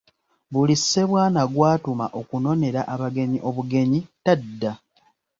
Buli Ssebwana gw’atuma okunonera abagenyi obugenyi tadda.